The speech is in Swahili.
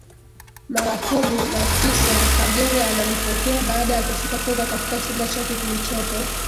mara kumi na tisaKagere ananipokea baada ya kushuka toka katika chumba chake kilichopo